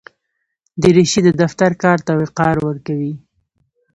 دریشي د دفتر کار ته وقار ورکوي.